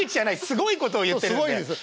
すごいことを言ってるんで。